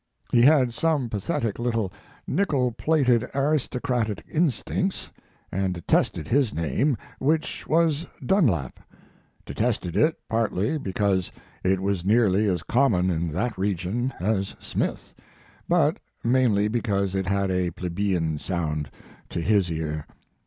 He had His Life and Work. some pathetic little nickel plated aristo cratic instincts, and detested his name, which was Dunlap; detested it, partly because it was nearly as common in that region as Smith, but mainly because it had a plebeian sound to his ear.